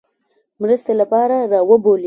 مرستې لپاره را وبولي.